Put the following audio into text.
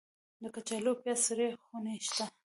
د کچالو او پیاز سړې خونې شته؟